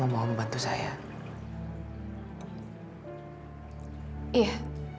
tidak ada masalah